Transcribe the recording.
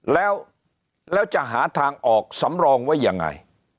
แล้วจะหาทางออกสำรองไว้ยังไง